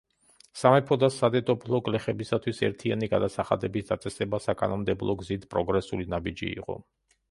სამეფო და სადედოფლო გლეხებისათვის ერთიანი გადასახადების დაწესება საკანონმდებლო გზით პროგრესული ნაბიჯი იყო.